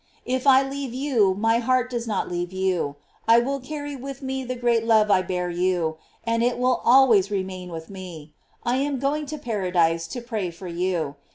If I leave you, my heart does not leave you; I will carry with me the great love I bear you, and it shall always remain with me. I am going to paradise to pray for you.